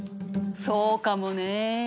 そうかもね。